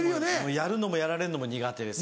やるのもやられるのも苦手です。